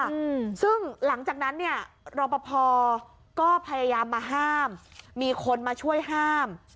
อืมซึ่งหลังจากนั้นเนี่ยรอปภก็พยายามมาห้ามมีคนมาช่วยห้าม